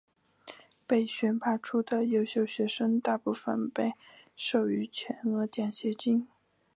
被选拔出的优秀学生大部分被授予全额奖学金。